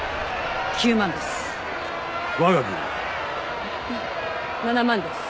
７万です。